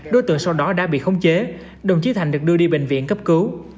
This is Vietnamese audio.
đối tượng sau đó đã bị khống chế đồng chí thành được đưa đi bệnh viện cấp cứu